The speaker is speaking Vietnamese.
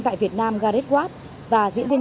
tại việt nam gareth watt và diễn viên